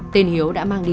tên hiếu đã mang đi dấu